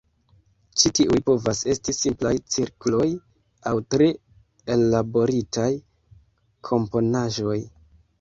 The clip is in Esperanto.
Ĉi tiuj povas esti simplaj cirkloj aŭ tre ellaboritaj komponaĵoj.